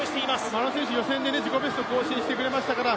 眞野選手予選で自己ベスト更新してくれましたから。